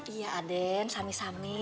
iya aden sami sami